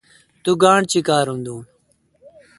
تو گاݨڈہ چیکارم دوں۔